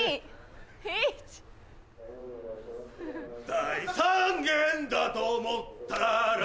大三元だと思ったら